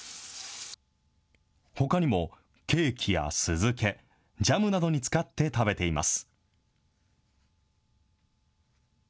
ほかにもケーキや酢漬け、ジャムなどに使って食べています。